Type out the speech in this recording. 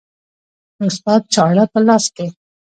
د استاد چاړه په لاس کې